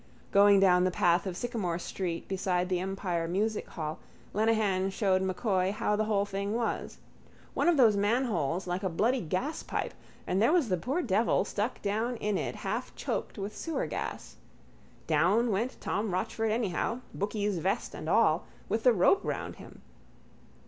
Going down the path of Sycamore street beside the Empire musichall Lenehan showed M'Coy how the whole thing was. One of those manholes like a bloody gaspipe and there was the poor devil stuck down in it, half choked with sewer gas. Down went Tom Rochford anyhow, booky's vest and all, with the rope round him.